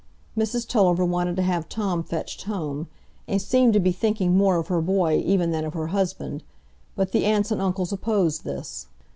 Mrs Tulliver wanted to have Tom fetched home, and seemed to be thinking more of her boy even than of her husband; but the aunts and uncles opposed this.